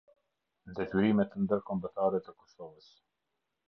Detyrimet ndërkombëtare të Kosovës.